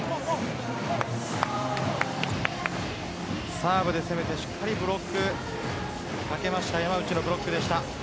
サーブで攻めてしっかりブロック山内のブロックでした。